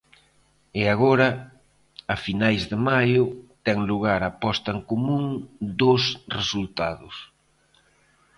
E agora, a finais de maio, ten lugar a posta en común dos resultados.